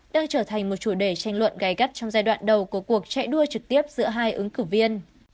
đang trở thành một chủ đề tranh luận gai gắt trong giai đoạn đầu của cuộc chạy đua trực tiếp giữa hai ứng cử viên